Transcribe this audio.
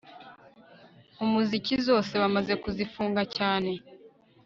umuziki zose bamaze kuzifunga cyane